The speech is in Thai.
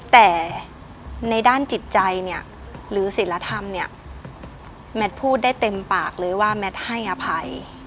แต่ในด้านจิตใจเนี่ยหรือศิลธรรมเนี่ยแมทพูดได้เต็มปากเลยว่าแมทให้อภัย